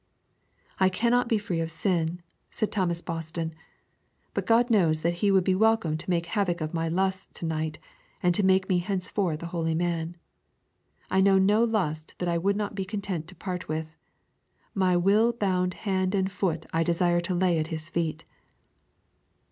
'I cannot be free of sin,' said Thomas Boston, 'but God knows that He would be welcome to make havoc of my lusts to night and to make me henceforth a holy man. I know no lust that I would not be content to part with. My will bound hand and foot I desire to lay at His feet.'